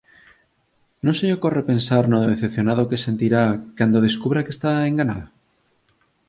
non se lle ocorre pensar no decepcionado que sentirá cando descubra que estaba enganado?